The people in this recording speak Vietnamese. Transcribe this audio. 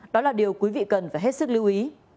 đó là điều quý vị cần phải hết sức lưu ý